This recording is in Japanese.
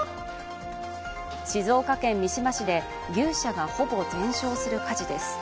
静岡県三島市で牛舎がほぼ全焼する火事です。